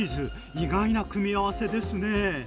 意外な組み合わせですね。